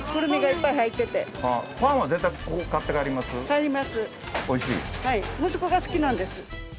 はい息子が好きなんです。